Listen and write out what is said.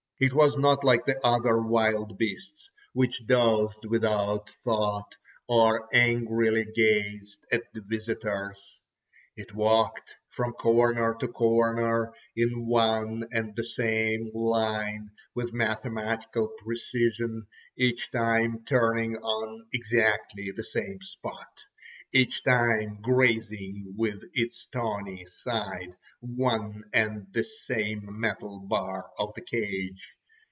It was not like the other wild beasts, which dozed without thought or angrily gazed at the visitors. It walked from corner to corner, in one and the same line, with mathematical precision, each time turning on exactly the same spot, each time grazing with its tawny side one and the same metal bar of the cage.